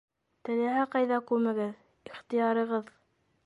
Теләһә ҡайҙа күмегеҙ, ихтыярығыҙ.